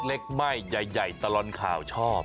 เล็กไหม้ใหญ่ตลอดข่าวชอบ